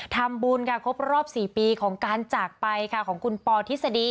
ทำบุญค่ะครบรอบ๔ปีของการจากไปค่ะของคุณปอทฤษฎี